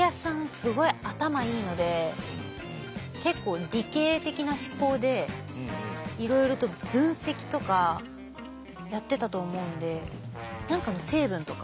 すごい頭いいので結構理系的な思考でいろいろと分析とかやってたと思うんで何かの成分とか？